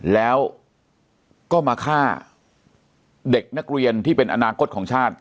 แล้วก็มาฆ่าเด็กนักเรียนที่เป็นอนาคตของชาติ